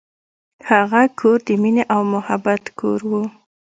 هغه کور د مینې او محبت کور و.